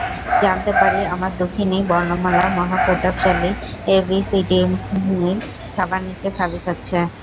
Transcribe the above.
জানতে পারি আমার দুঃখিনী বর্ণমালা মহাপ্রতাপশালী এবিসিডির থাবার নিচে খাবি খাচ্ছে।